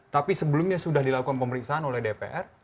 tapi sebelumnya sudah dilakukan pemeriksaan oleh dpr